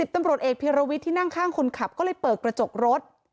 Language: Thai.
ตำรวจเอกพิรวิทย์ที่นั่งข้างคนขับก็เลยเปิดกระจกรถ